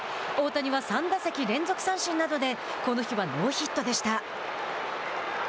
大谷は３打席連続三振などでこの日はノーヒットでした。